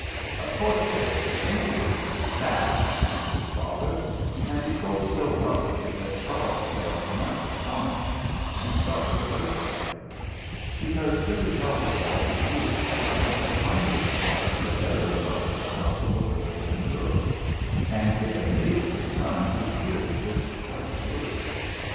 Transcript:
"Of course 'tis any fool can see that," answered his father; and he spoke so roughly that Charles felt much astonished, and started away from him. Because Billy Jago, as a rule, was the kindest father that ever loved a parcel of boys and girls; and it amazed his son to hear this sharp word.